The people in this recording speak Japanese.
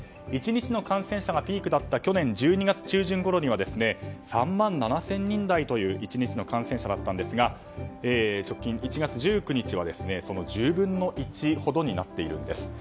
１日の感染者がピークだった去年１２月中旬には３万７０００人台という１日の感染者だったんですが直近１月１９日はその１０分の１ほどになっているんです。